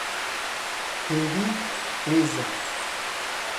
Hêvî, hêz e.